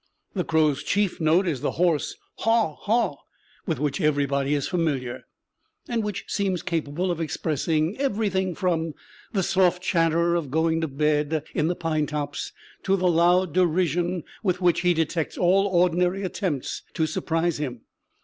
The crow's chief note is the hoarse haw, haw with which everybody is familiar, and which seems capable of expressing everything, from the soft chatter of going to bed in the pine tops to the loud derision with which he detects all ordinary attempts to surprise him.